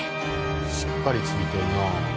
しっかり付いてるなあ。